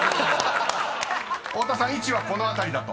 ［太田さん位置はこの辺り？］